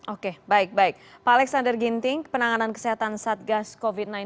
oke baik baik pak alexander ginting penanganan kesehatan satgas covid sembilan belas